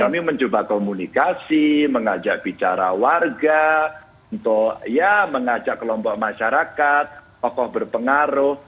kami mencoba komunikasi mengajak bicara warga untuk ya mengajak kelompok masyarakat tokoh berpengaruh